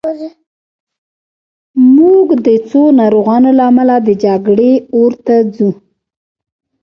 موږ د څو ناروغانو له امله د جګړې اور ته ځو